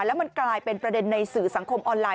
แล้วมันกลายเป็นประเด็นในสื่อสังคมออนไลน